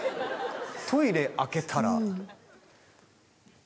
「トイレ開けたら」。